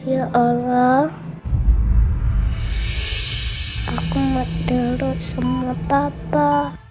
ya allah aku mau turut sama papa